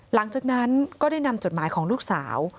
หลังจากนั้นก็ได้นำจดหมายของลูกสาว